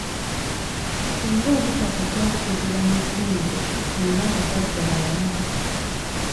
Singa obutafa kwali kugulwa na ssente singa abagagga balamu.